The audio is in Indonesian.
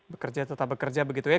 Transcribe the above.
bekerja tetap bekerja begitu ya